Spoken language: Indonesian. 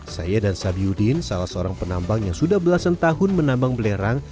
saya dan sabiudin salah seorang penambang yang sudah belasan tahun menambang belerang